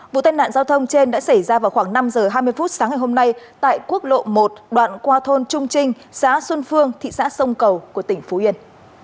vụ tai nạn giao thông trên đã xảy ra vào khoảng năm h hai mươi phút sáng ngày hôm nay tại quốc lộ một đoạn qua thôn trung trinh xã xuân phương thị xã sông cầu của tỉnh phú yên